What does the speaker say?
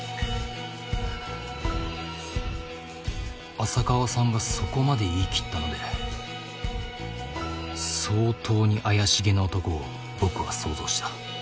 浅川さんがそこまで言い切ったので相当に怪しげな男を僕は想像した。